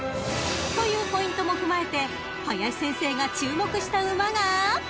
［というポイントも踏まえて林先生が注目した馬が］